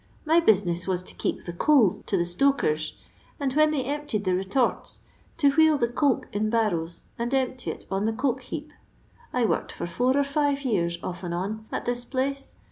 My business was to keep the coals to 'the stoken^ and when they emptied the retorts to wheel the coke in barrows and empty it on the coke heap. I worked for four or five years, off and on, at thk place.